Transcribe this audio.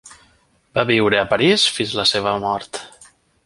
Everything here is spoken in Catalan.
Va viure a París fins la seva mort.